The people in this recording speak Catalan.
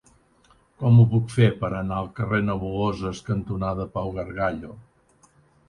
Com ho puc fer per anar al carrer Nebuloses cantonada Pau Gargallo?